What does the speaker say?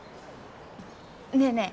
ねえねえ